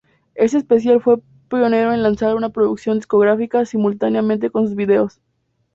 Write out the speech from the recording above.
Este especial fue pionero en lanzar una producción discográfica simultáneamente con sus videos.